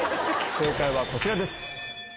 正解はこちらです。